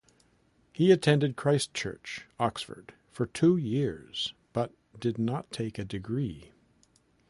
He attended Christ Church, Oxford for two years but did not take a degree.